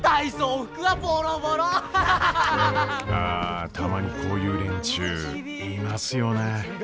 あたまにこういう連中いますよね。